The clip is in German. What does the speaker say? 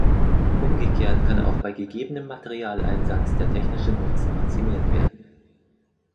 Umgekehrt kann auch bei gegebenen Materialeinsatz der technische Nutzen maximiert werden.